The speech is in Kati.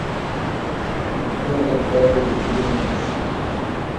امکیان تہ کائی دی لتری نہ اسی